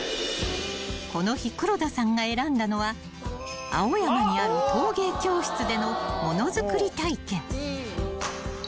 ［この日黒田さんが選んだのは青山にある陶芸教室での物作り体験］